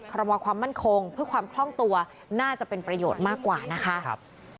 รมอความมั่นคงเพื่อความคล่องตัวน่าจะเป็นประโยชน์มากกว่านะคะ